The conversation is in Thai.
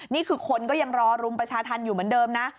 นี่คือคนก็ยังรอรุมประชาธรรมอยู่เหมือนเดิมนะ